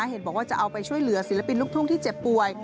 เห็นบอกว่าจะเอาไปช่วยเหลือศิลปินลูกทุ่งที่เจ็บป่วย